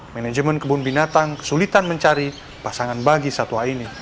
manajemen kebun binatang kesulitan mencari pasangan bagi satwa ini